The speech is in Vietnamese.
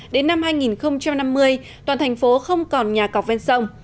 đến năm hai nghìn năm mươi toàn thành phố không còn nhà cọc ven sông